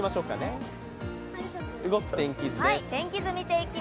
動く天気図です。